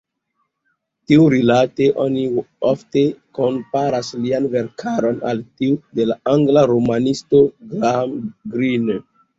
Tiurilate oni ofte komparas lian verkaron al tiu de la angla romanisto Graham Greene.